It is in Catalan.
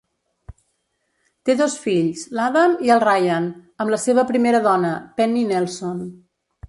Té dos fills, l'Adam i el Ryan, amb la seva primera dona, Penny Nelson.